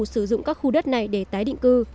sử dụng các khu đất này để tái định cư